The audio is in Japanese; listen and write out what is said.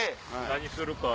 何するか。